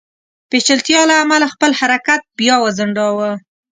پېچلتیا له امله خپل حرکت بیا وځنډاوه.